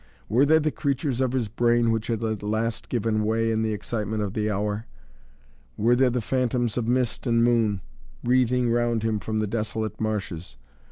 Were they the creatures of his brain which had at last given way in the excitement of the hour? Were they phantoms of mist and moon, wreathing round him from the desolate marshes?